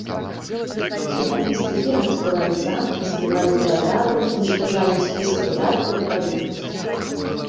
Сяляне стыхійна разбуралі замкі, забівалі феадалаў, зніштажалі спісы падаткаў і павіннасцей.